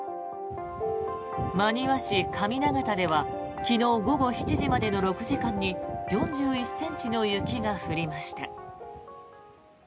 真庭市上長田では昨日午後７時までの６時間に４１ｃｍの雪が降りました。